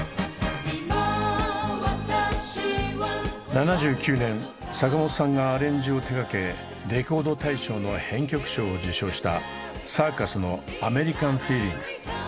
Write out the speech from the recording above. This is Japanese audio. ７９年坂本さんがアレンジを手がけレコード大賞の編曲賞を受賞したサーカスの「アメリカン・フィーリング」。